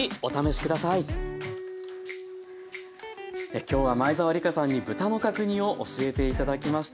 今日は前沢リカさんに豚の角煮を教えて頂きました。